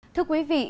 thưa quý vị